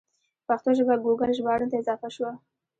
پښتو ژبه ګوګل ژباړن ته اضافه شوه.